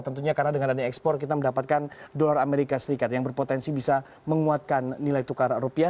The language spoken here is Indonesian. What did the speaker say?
tentunya karena dengan adanya ekspor kita mendapatkan dolar amerika serikat yang berpotensi bisa menguatkan nilai tukar rupiah